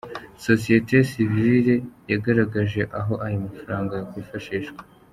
Sosiyete Sivile yagaragaje aho aya mafaranga yakwifashishwa.